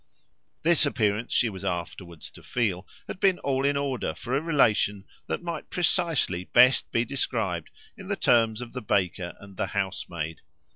This appearance, she was afterwards to feel, had been all in order for a relation that might precisely best be described in the terms of the baker and the housemaid.